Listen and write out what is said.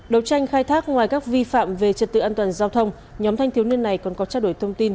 đấu tranh khai thác ngoài các vi phạm về trật tự an toàn giao thông nhóm thanh thiếu niên này còn có trao đổi thông tin